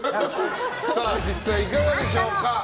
実際いかがでしょうか。